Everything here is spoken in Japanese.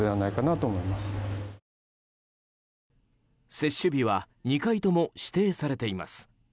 接種日は２回とも指定されています。